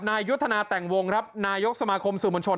นายยุทธนาแต่งวงครับนายกสมาคมสื่อมวลชน